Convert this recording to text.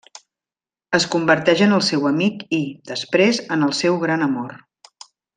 Es converteix en el seu amic i, després en el seu gran amor.